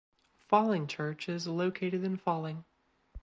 Falling Church is located in Falling.